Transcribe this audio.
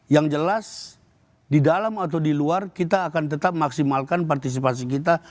yang jelas di dalam atau di luar kita akan tetap maksimalkan partisipasi kita